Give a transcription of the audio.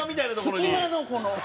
隙間のこの。